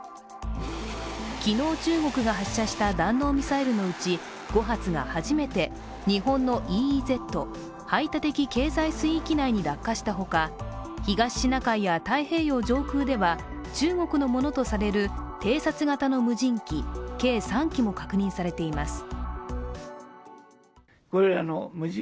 昨日中国が発射した弾道ミサイルのうち５発が初めて日本のＥＥＺ＝排他的経済水域内に落下したほか東シナ海や太平洋上空では中国のものとされる偵察型の無人機計３機も確認されています。